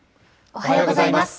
おはようございます。